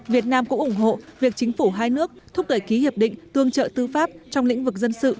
việt nam cũng ủng hộ việc chính phủ hai nước thúc đẩy ký hiệp định tương trợ tư pháp trong lĩnh vực dân sự